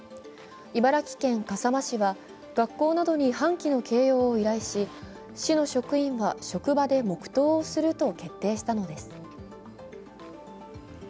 茨城県笠間市は学校などに半旗の掲揚を依頼し市の職員は、職場で黙とうをすると決定したのです。